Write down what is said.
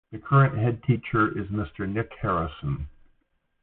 The current headteacher is Mr. Nic Harrison.